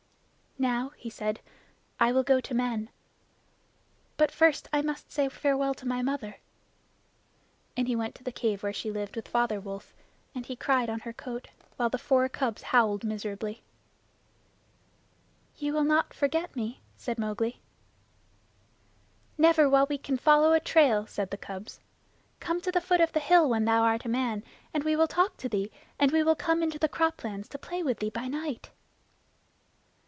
"Now," he said, "I will go to men. But first I must say farewell to my mother." And he went to the cave where she lived with Father Wolf, and he cried on her coat, while the four cubs howled miserably. "Ye will not forget me?" said Mowgli. "Never while we can follow a trail," said the cubs. "Come to the foot of the hill when thou art a man, and we will talk to thee; and we will come into the croplands to play with thee by night."